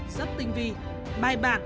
rất tinh vi bài bản